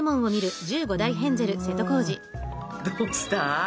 どうした？